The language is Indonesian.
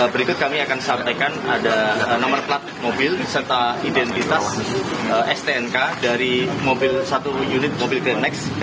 berikut kami akan sampaikan ada nomor plat mobil serta identitas stnk dari mobil satu unit mobil krennex